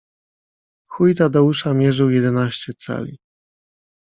Chuj Tadeusza mierzył jedenaście cali